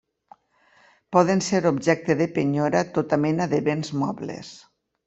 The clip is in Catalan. Poden ser objecte de penyora tota mena de béns mobles.